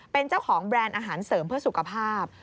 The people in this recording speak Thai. เป็นเจ้าของแบรนด์อาหารเสริมเพื่อสุขภาพ